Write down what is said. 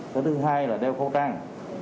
cái thứ hai là đeo khẩu trang